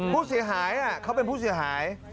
ผู้เสียหายเขาเป็นผู้เสียหาย